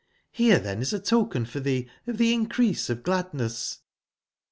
Rere then is a token for thee of the increase of gladness.''